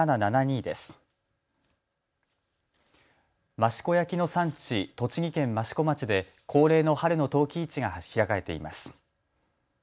益子焼の産地、栃木県益子町で恒例の春の陶器市が開かれています。